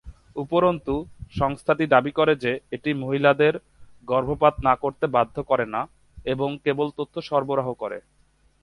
উপরন্তু, সংস্থাটি দাবি করে যে এটি মহিলাদের গর্ভপাত না করতে বাধ্য করে না, এবং কেবল তথ্য সরবরাহ করে।